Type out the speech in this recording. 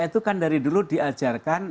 itu kan dari dulu diajarkan